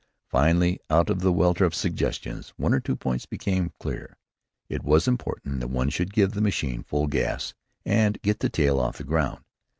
Finally, out of the welter of suggestions, one or two points became clear: it was important that one should give the machine full gas, and get the tail off the ground.